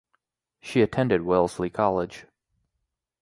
She attended Wellesley College.